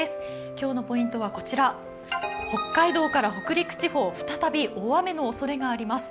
今日のポイントはこちら、北海道から北陸地方、再び大雨のおそれがあります。